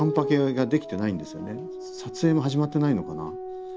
撮影も始まってないのかな。